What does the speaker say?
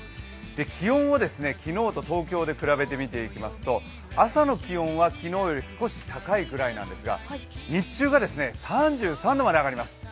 気温を昨日と東京で比べてみますと、朝の気温は昨日より少し高いぐらいなんですが、日中は３３度まで上がります。